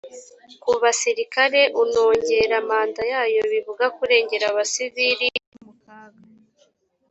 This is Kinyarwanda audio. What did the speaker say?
ku basirikare unongera manda yayo bivuga kurengera abasiviri bari mu kaga